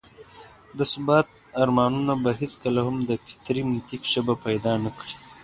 د ثبات ارمانونه به هېڅکله هم د فطري منطق ژبه پيدا نه کړي.